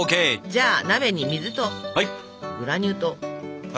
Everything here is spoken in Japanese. じゃあ鍋に水とグラニュー糖。